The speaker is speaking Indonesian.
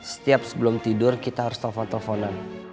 setiap sebelum tidur kita harus telfon telfonan